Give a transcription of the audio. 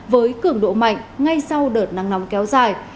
với cường độ mạnh ngay sau đợt nắng nóng kéo dài